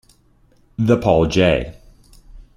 The Paul J.